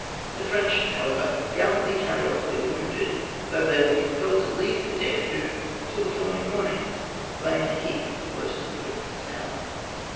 The French, however, gallantly carried off their wounded, though they were compelled to leave the dead, who, till the following morning, lay in a heap close to the foot of the tower.